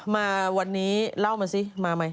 มาวันนี้เล่ามาสิมาไหม